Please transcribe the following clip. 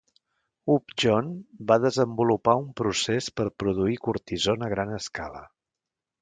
Upjohn va desenvolupar un procés per produir cortisona a gran escala.